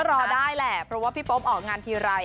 รอได้แหละเพราะว่าพี่โป๊ปออกงานทีไร